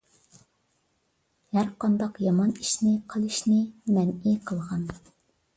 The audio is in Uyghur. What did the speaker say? ھەر قانداق يامان ئىشنى قىلىشنى مەنئى قىلغان.